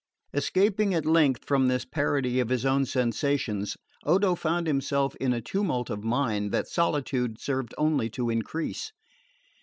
Escaping at length from this parody of his own sensations, Odo found himself in a tumult of mind that solitude served only to increase.